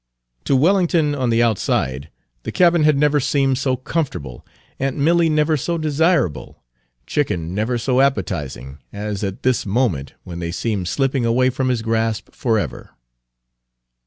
To Wellington, on the outside, the cabin had never seemed so comfortable, aunt Milly never so desirable, chicken never so appetizing, as at this moment when they seemed slipping away from his grasp forever.